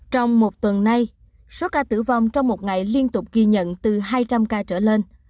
trong một tuần nay số ca tử vong trong một ngày liên tục ghi nhận từ hai trăm linh ca trở lên